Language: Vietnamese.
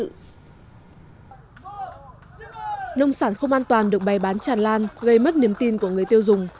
nông sản không an toàn được bày bán tràn lan gây mất niềm tin của người tiêu dùng